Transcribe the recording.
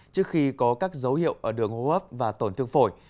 trước khi có các dấu hiệu ở đường hô hấp và tổn thương phổi